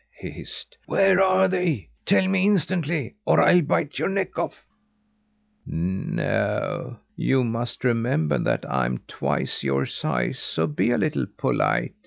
he hissed. "Where are they? Tell me instantly, or I'll bite your neck off!" "No! you must remember that I'm twice your size so be a little polite.